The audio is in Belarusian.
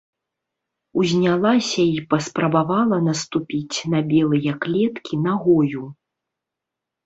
Узнялася і паспрабавала наступіць на белыя клеткі нагою.